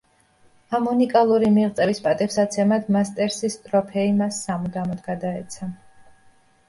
ამ უნიკალური მიღწევის პატივსაცემად მასტერსის ტროფეი მას სამუდამოდ გადაეცა.